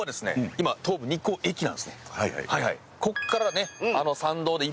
今東武日光駅なんですね。